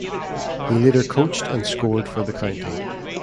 He later coached and scored for the county.